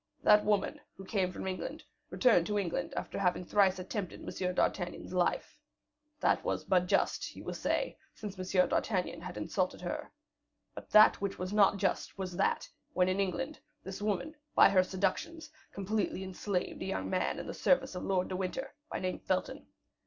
That woman, who came from England, returned to England after having thrice attempted M. d'Artagnan's life. That was but just, you will say, since M. d'Artagnan had insulted her. But that which was not just was, that, when in England, this woman, by her seductions, completely enslaved a young man in the service of Lord de Winter, by name Felton.